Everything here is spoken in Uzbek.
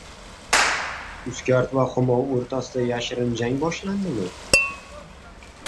«Uzcard» va «Humo» o‘rtasida yashirin jang boshlandimi?